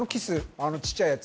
あのちっちゃいやつ？